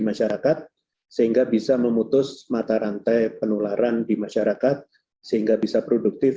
masyarakat sehingga bisa memutus mata rantai penularan di masyarakat sehingga bisa produktif